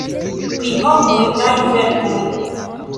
Pri Homoj kaj Verkoj.